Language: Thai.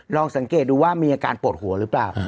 ลองสังเกตดูว่ามีอาการปวดหัวหรือเปล่า